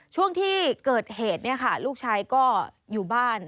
ช่วงที่เกิดเหตุลูกชายก็อยู่บ้าน